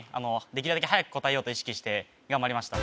できるだけはやく答えようと意識して頑張りました